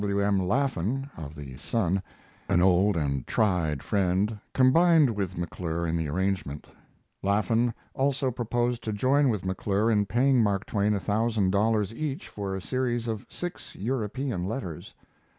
W. M. Laffan, of the Sun, an old and tried friend, combined with McClure in the arrangement. Laffan also proposed to join with McClure in paying Mark Twain a thousand dollars each for a series of six European letters.